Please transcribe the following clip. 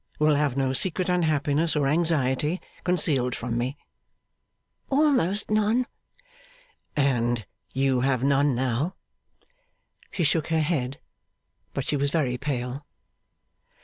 Will have no secret unhappiness, or anxiety, concealed from me?' 'Almost none.' 'And you have none now?' She shook her head. But she was very pale.